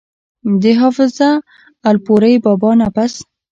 د حافظ الپورۍ بابا نه پس